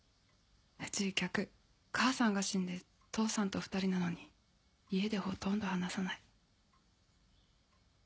うち逆母さんが死んで父さんと２人なのに家でほとんど話さない。